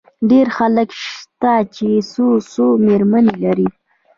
ډېر خلک شته، چي څو څو مېرمنې لري.